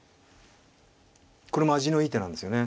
これも味のいい手なんですよね。